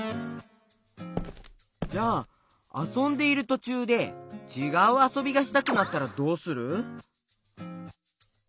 じゃああそんでいるとちゅうでちがうあそびがしたくなったらどうする？